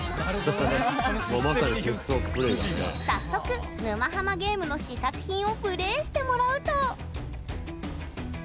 早速「沼ハマ」ゲームの試作品をプレイしてもらうと。